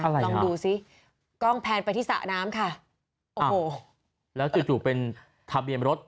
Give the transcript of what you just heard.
ลองดูซิกล้องแพนไปที่สระน้ำค่ะโอ้โหแล้วจู่จู่เป็นทะเบียนรถ